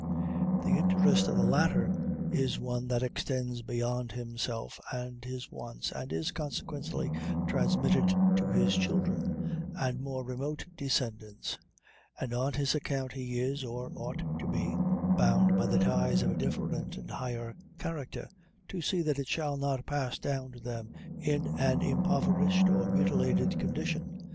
The interest of the latter is one that extends beyond himself and his wants, and is consequently transmitted to his children, and more remote descendants; and on his account he is, or ought to be, bound by the ties of a different and higher character, to see that it shall not pass down to them in an impoverished or mutilated condition.